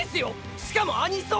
⁉しかもアニソン！！